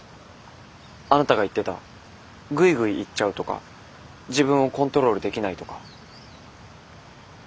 あなたが言ってたグイグイいっちゃうとか自分をコントロールできないとか。